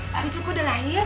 pemisuku sudah lahir